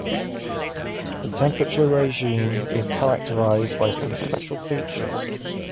The temperature regime is characterized by some special features.